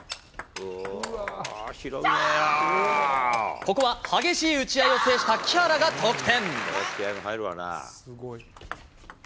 ここは激しい打ち合いを制した木原が得点。